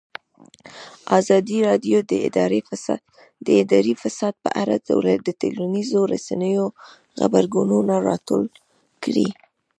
ازادي راډیو د اداري فساد په اړه د ټولنیزو رسنیو غبرګونونه راټول کړي.